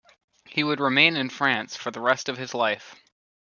He would remain in France for the rest of his life.